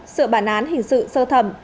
sửa bản án hình sự sơ thẩm